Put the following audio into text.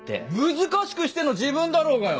難しくしてんの自分だろうがよ！